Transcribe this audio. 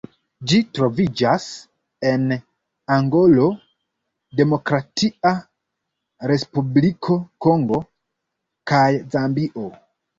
Ĝi troviĝas en Angolo, Demokratia Respubliko Kongo kaj Zambio.